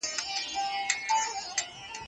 بد اخلاق تل دوستي ماتوي